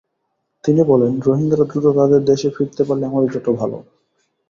তিনি বলেন, রোহিঙ্গারা দ্রুত তাদের দেশে ফিরতে পারলে আমাদের জন্য ভালো।